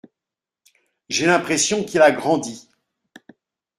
J’ai l’impression qu’il a grandi.